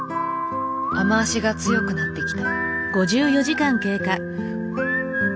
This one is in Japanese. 雨足が強くなってきた。